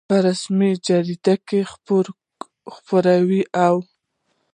په رسمي جریده کې خپور او